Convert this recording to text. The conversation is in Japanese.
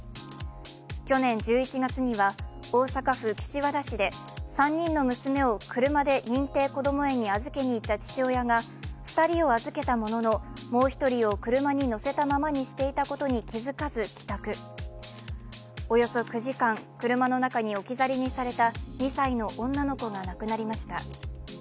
去年１１月には、大阪府岸和田市で３人の娘を車で認定こども園に預けに行った父親が２人を預けたものの、もう１人を車に乗せたままにしていたことに気付かず帰宅およそ９時間、車の中に置き去りにされた２歳の女の子が亡くなりました。